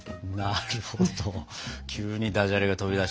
なるほど急にダジャレが飛び出しましたけども。